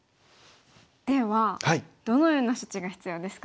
ではどのような処置が必要ですか？